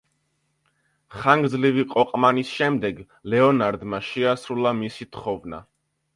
ხანგრძლივი ყოყმანის შემდეგ ლეონარდმა შეასრულა მისი თხოვნა.